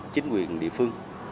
chính quyền địa phương